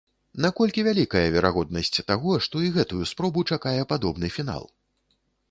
Наколькі вялікая верагоднасць таго, што і гэтую спробу чакае падобны фінал?